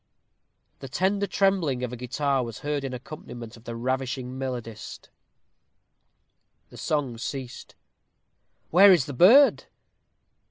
The tender trembling of a guitar was heard in accompaniment of the ravishing melodist. The song ceased. "Where is the bird?"